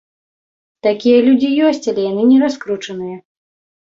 Такія людзі ёсць, але яны нераскручаныя.